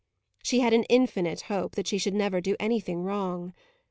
She had an infinite hope that she should never do anything wrong.